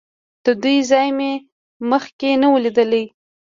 د دوی ځای مې مخکې نه و لیدلی.